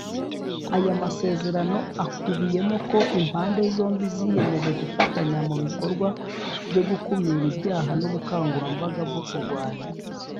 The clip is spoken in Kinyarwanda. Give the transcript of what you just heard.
Aya masezerano akubiyemo ko impande zombi ziyemeje gufatanya mu bikorwa byo gukumira ibyaha n’ubukangurambaga bwo kurwanya